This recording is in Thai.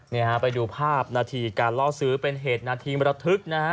นี่ฮะไปดูภาพนาทีการล่อซื้อเป็นเหตุนาทีมรทึกนะฮะ